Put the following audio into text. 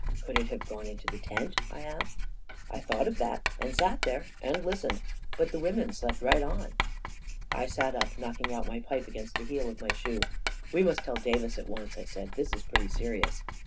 " Could it have gone into the tent ?" I asked. " I thought of that, and sat there and listened. But the women slept right on. ..." I sat up and knocked out my pipe against the heel of my shoe. 44 We must tell Davis at once," I said. " This is pretty serious."